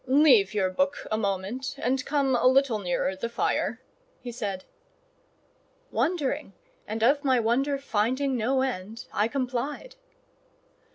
"Leave your book a moment, and come a little nearer the fire," he said. Wondering, and of my wonder finding no end, I complied.